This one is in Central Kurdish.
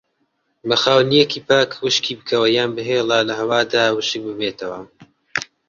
بە خاولیەکی پاک وشکی بکەوە یان بهێڵە لەهەوادا وشک ببێتەوە.